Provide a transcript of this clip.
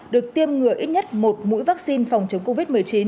được tiêm ngừa ít nhất một mũi vaccine phòng chống covid một mươi chín